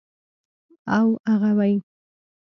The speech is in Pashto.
او اغوئ.